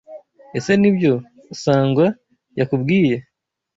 Ese Nibyo Sangwa yakubwiye?